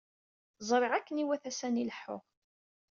Ẓriɣ akken iwata sani leḥḥuɣ.